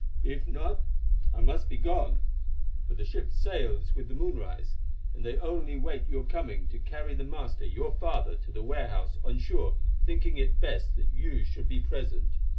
If not, I must be gone, for the ship sails with the moonrise, and they only wait your coming to carry the master, your father, to the warehouse on shore thinking it best that you should be present.